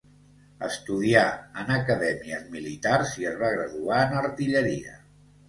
Estudià en acadèmies militars i es va graduar en artilleria.